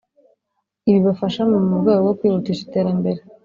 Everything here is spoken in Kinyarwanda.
ibibafashamo mu rwego rwo kwihutisha iterambere